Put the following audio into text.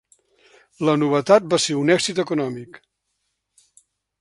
La novetat va ser un èxit econòmic.